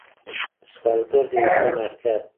سوالګر د انسان اړتیا ده